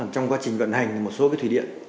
trong quá trình vận hành một số thủy điện